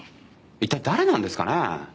一体誰なんですかね？